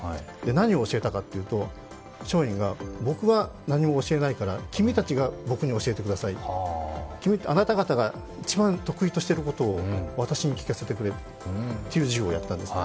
何を教えたかというと松陰は僕は何も教えないから君たちが僕に教えてください、あなた方が１番得意としていることを私に聞かせてくれという授業をやったんです。